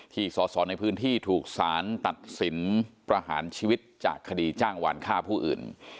สอสอในพื้นที่ถูกสารตัดสินประหารชีวิตจากคดีจ้างหวานฆ่าผู้อื่น